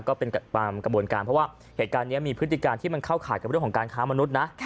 ก็เป็นตามกระบวนการเพราะว่าเหตุการณ์นี้มีพฤติการที่มันเข้าข่ายกับเรื่องของการค้ามนุษย์นะ